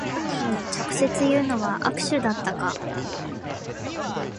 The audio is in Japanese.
本人に直接言うのは悪手だったか